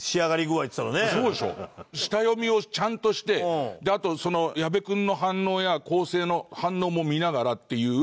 すごいでしょ？下読みをちゃんとしてあと矢部君の反応や構成の反応も見ながらっていう。